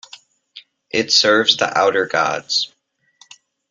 It serves the Outer Gods.